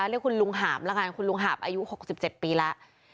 เรียกคุณลุงหาบแล้วกันคุณลุงหาบอายุหกสิบเจ็ดปีแล้ว